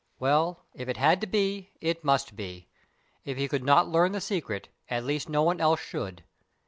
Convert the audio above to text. Well, if it had to be, it must be. If he could not learn the secret, at least no one else should.